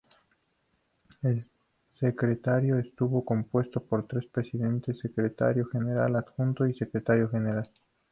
El Secretariado estuvo compuesto por tres Presidentes, Secretario General Adjunto y Secretario General.